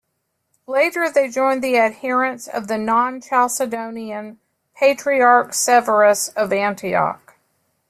Later, they joined the adherents of the non-Chalcedonian Patriarch Severus of Antioch.